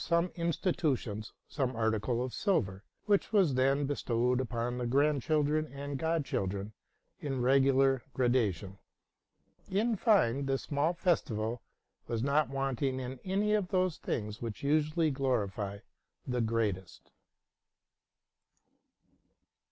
69 some institutions some article of silver, which was then be stowed upon the grandchildren and godchildren in regular gradation. In fine, this small festival was not wanting in any of those things which usually glorify the greatest.